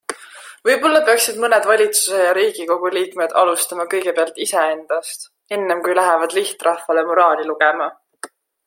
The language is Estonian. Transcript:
Võib-olla peaksid mõned valitsuse ja riigikogu liikmed alustama kõigepealt iseendast, ennem kui lähevad lihtrahvale moraali lugema.